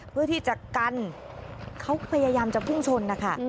เพื่อที่จะกันเขาพยายามจะพุ่งชนนะคะ